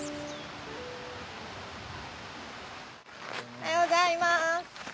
おはようございます。